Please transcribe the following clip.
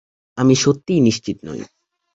আমি সত্যিই নিশ্চিত নই।